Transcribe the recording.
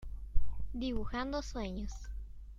Dibujando sueños...